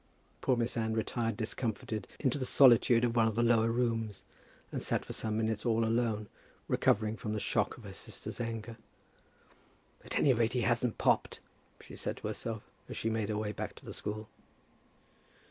Poor Miss Anne retired discomforted into the solitude of one of the lower rooms, and sat for some minutes all alone, recovering from the shock of her sister's anger. "At any rate, he hasn't popped," she said to herself, as she made her way back to the school.